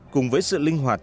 cùng với sự linh hoạt